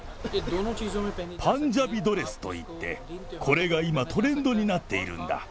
パンジャビドレスといって、これが今、トレンドになっているんだ。